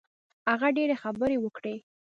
هغه ډېرې خبرې وکړې.